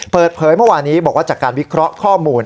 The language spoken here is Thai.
เมื่อวานี้บอกว่าจากการวิเคราะห์ข้อมูล